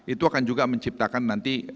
itu akan juga menciptakan